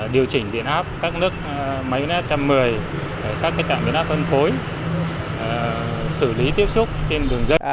điều chỉnh điện áp các nước máy net trăm một mươi các trạm biến áp phân phối xử lý tiếp xúc trên đường ga